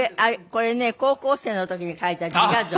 これね高校生の時に描いた自画像。